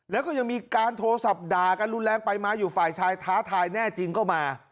แล้วก็ยังมีการโทรศัพท์ด่ากันรุนแรงไปมาอยู่ฝ่ายชายท้าทายแน่จริงก็มา